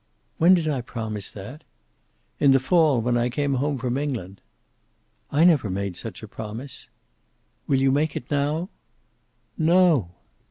"When did I promise that?" "In the fall, when I came home from England." "I never made such a promise." "Will you make it now?" "No!"